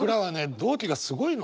同期がすごいの。